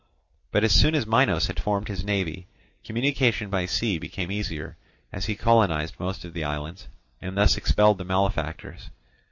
But as soon as Minos had formed his navy, communication by sea became easier, as he colonized most of the islands, and thus expelled the malefactors.